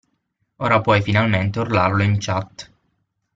Ora puoi finalmente urlarlo in chat!